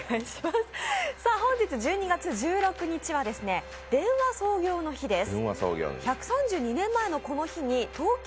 本日１２月１６日は電話創業の日です。